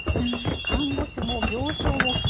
看護師も病床も不足。